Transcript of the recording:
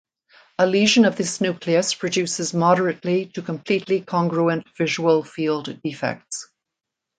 A lesion of this nucleus produces moderately to completely congruent visual field defects.